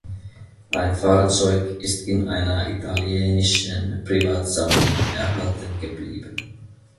Ein Fahrzeug ist in einer italienischen Privatsammlung erhalten geblieben.